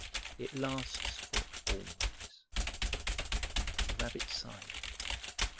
It lasts for always." The Rabbit sighed.